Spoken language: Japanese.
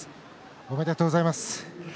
ありがとうございます。